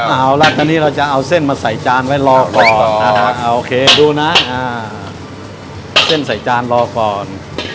เอาละตอนนี้เราจะเอาเส้นมาใส่จานไว้รอก่อนนะครับโอเคดูนะเส้นใส่จานรอก่อน